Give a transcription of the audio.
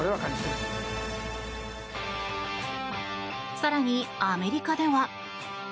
更に、アメリカでは。